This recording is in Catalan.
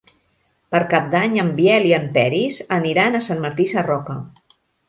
Per Cap d'Any en Biel i en Peris aniran a Sant Martí Sarroca.